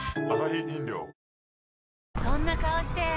そんな顔して！